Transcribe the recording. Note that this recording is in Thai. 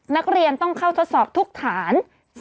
นักเรียนต้องเข้าทดสอบทุกฐาน